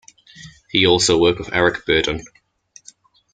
He also worked with Eric Burdon.